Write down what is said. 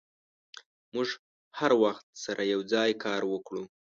موږ به هر وخت سره یوځای کار وکړو.